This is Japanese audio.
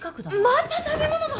また食べ物の話！？